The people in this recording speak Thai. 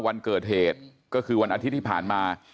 วันเกิดเหตุก็คือวันอาทิตย์ที่ผ่านมา